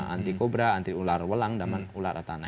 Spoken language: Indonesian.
anti kobra anti ular welang dan ular atauna